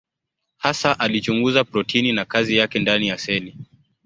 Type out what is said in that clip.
Hasa alichunguza protini na kazi yake ndani ya seli.